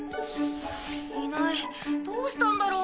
いないどうしたんだろう？